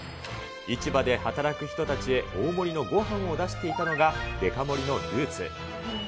市場で働く人たちへ、大盛りのごはんを出していたのがデカ盛りのルーツ。